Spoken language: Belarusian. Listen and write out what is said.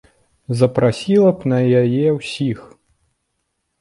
Запрасіла б на яе ўсіх.